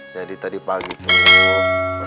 jadi tadi pagi tuh